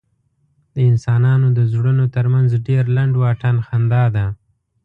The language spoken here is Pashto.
د انسانانو د زړونو تر منځ ډېر لنډ واټن خندا ده.